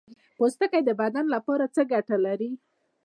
پوستکی د بدن لپاره څه ګټه لري